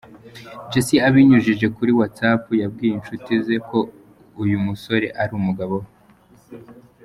Jessy abinyujije kuri whatsapp yabwiye inshuti ze ko uyu musore ari umugabo we.